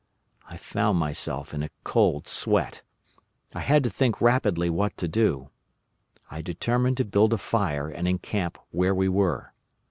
I found myself in a cold sweat. I had to think rapidly what to do. I determined to build a fire and encamp where we were.